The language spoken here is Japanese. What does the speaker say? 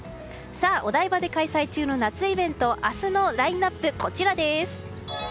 お台場で開催中の夏イベント明日のラインアップ、こちらです。